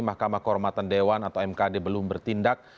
mahkamah kehormatan dewan atau mkd belum bertindak